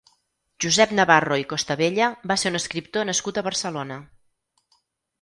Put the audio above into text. Josep Navarro i Costabella va ser un escriptor nascut a Barcelona.